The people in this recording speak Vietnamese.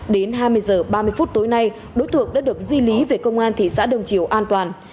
đến hai mươi h ba mươi phút tối nay đối tượng đã được di lý về công an thị xã đông triều an toàn